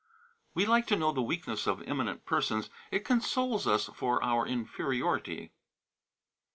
_ We like to know the weakness of eminent persons; it consoles us for our inferiority.